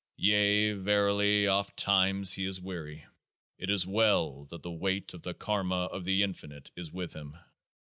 Yea, verily, oft times he is weary ; it is well that the weight of the Karma of the Infinite is with him.